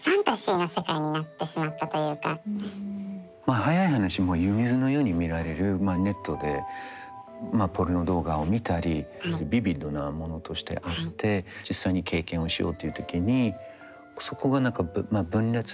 早い話もう湯水のように見られるネットでポルノ動画を見たりビビッドなものとしてあって実際に経験をしようという時にそこが何か分裂っていうか。